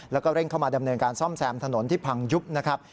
แล้วก็เร่งเข้ามาดำเนินการซ่อมแซมถนนที่พังยุบนะครับ